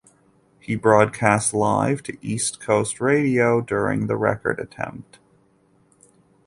He broadcast live to East Coast Radio during the record attempt.